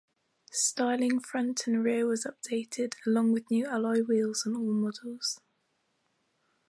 Styling front and rear was updated, along with new alloy wheels on all models.